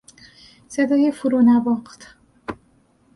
صدای فرو نواخت